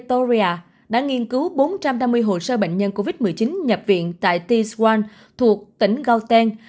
toria đã nghiên cứu bốn trăm năm mươi hồ sơ bệnh nhân covid một mươi chín nhập viện tại tiswan thuộc tỉnh guten